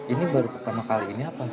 ini baru pertama kali ini apa sih